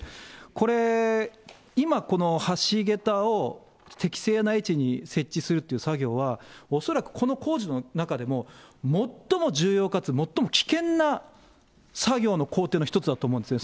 これ、今この橋桁を適正な位置に設置するっていう作業は、恐らくこの工事の中でも最も重要かつ最も危険な作業の工程の一つだと思うんですね。